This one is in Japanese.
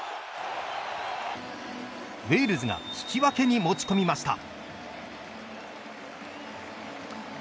ウェールズが引き分けに持ち込みました。